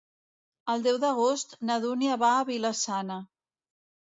El deu d'agost na Dúnia va a Vila-sana.